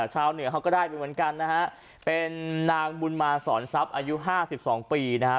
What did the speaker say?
ชาวเหนือเขาก็ได้ไปเหมือนกันนะฮะเป็นนางบุญมาสอนทรัพย์อายุ๕๒ปีนะครับ